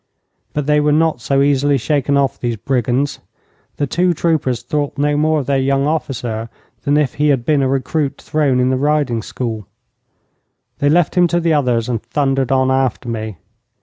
But they were not so easily shaken off, these brigands. The two troopers thought no more of their young officer than if he had been a recruit thrown in the riding school. They left him to the others and thundered on after me.